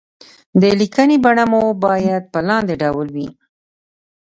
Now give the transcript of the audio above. د ليکنې بڼه مو بايد په لاندې ډول وي.